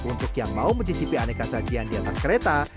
untuk yang mau mencicipi aneka sajian di atas kereta